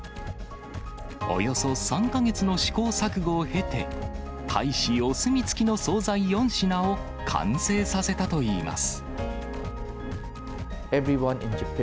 およそ３か月の試行錯誤を経て、大使お墨付きの総菜４品を完成させたといいます。